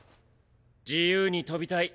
自由に飛びたい。